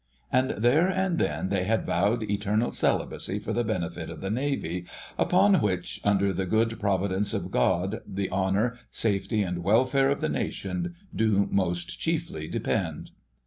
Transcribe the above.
And there and then they had vowed eternal celibacy for the benefit of the Navy, upon which, under the good providence of God, the Honour, Safety, and Welfare of the Nation do most chiefly depend.